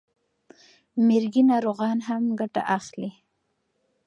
مرګي ناروغان هم ګټه اخلي.